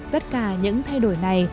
tất cả những thay đổi này